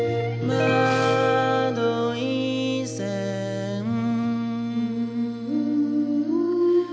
「まどいせん」